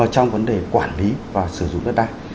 trong vấn đề quản lý và sử dụng đất đai